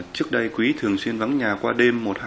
trước đây quý thường xuyên vắng nhà qua đêm